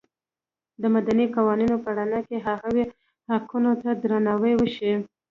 د مدني قوانینو په رڼا کې هغوی حقونو ته درناوی وشي.